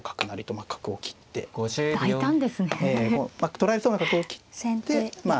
取られそうなところを切ってまあ